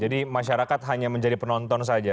jadi masyarakat hanya menjadi penonton saja